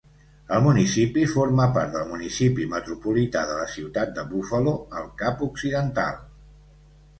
El municipi forma part del Municipi Metropolità de la Ciutat de Buffalo al Cap Occidental.